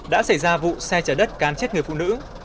đã xảy ra vụ xe chở đất cán chết người phụ nữ